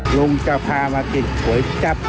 ลุงจะพามากินหัวจักร